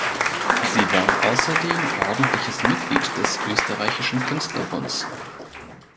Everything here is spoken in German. Sie war außerdem ordentliches Mitglied des Österreichischen Künstlerbunds.